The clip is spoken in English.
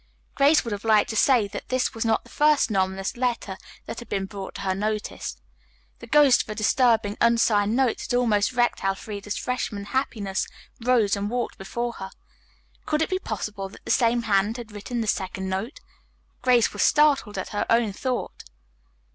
Grace would have liked to say that this was not the first anonymous letter that had been brought to her notice. The ghost of a disturbing, unsigned note that had almost wrecked Elfreda's freshman happiness rose and walked before her. Could it be possible that the same hand had written the second note? Grace was startled at her own thought.